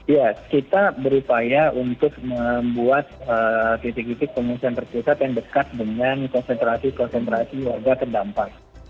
ya kita berupaya untuk membuat titik titik pengungsian terpusat yang dekat dengan konsentrasi konsentrasi warga terdampak